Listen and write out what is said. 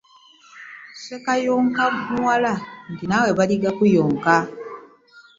Ssekayonkwa muwala nti naawe baligakuyonka .